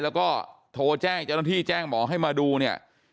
แล้วก็โทรแจ้งเจ้าหน้าที่แจ้งหมอให้มาดูเนี่ย